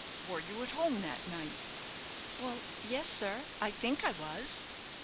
"Were you at home that night?" "Well, yes, sir, I think I was."